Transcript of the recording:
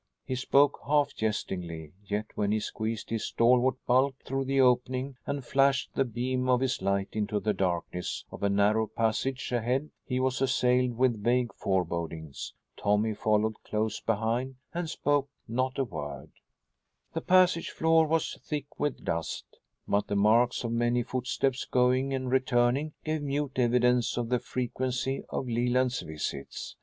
He spoke half jestingly, yet when he squeezed his stalwart bulk through the opening and flashed the beam of his light into the darkness of a narrow passage ahead he was assailed with vague forebodings. Tommy followed close behind and spoke not a word. The passage floor was thick with dust, but the marks of many footsteps going and returning gave mute evidence of the frequency of Leland's visits.